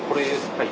はい。